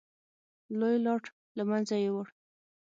لوی لاټ له منځه یووړ.